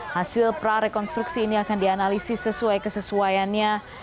hasil pra rekonstruksi ini akan dianalisis sesuai kesesuaiannya